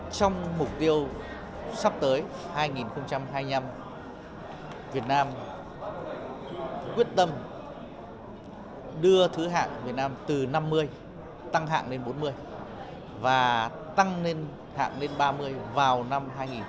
trong mục tiêu sắp tới hai nghìn hai mươi năm việt nam quyết tâm đưa thứ hạng việt nam từ năm mươi tăng hạng lên bốn mươi và tăng hạng lên ba mươi vào năm hai nghìn ba mươi